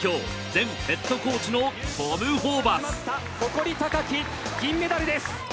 前ヘッドコーチのトム・ホーバス誇り高き銀メダルです。